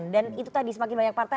dan itu tadi semakin banyak partai